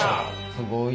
すごい。